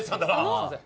すいません。